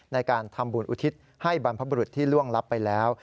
ในการทำบุญอุทิศให้บรรพบรุษที่ล่วงลับไปแล้ว